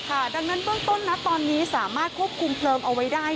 ค่ะดังนั้นต้นตอนนี้สามารถควบคุมเพลิมเอาไว้ได้